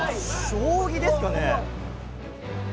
将棋ですかね。